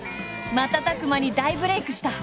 瞬く間に大ブレイクした。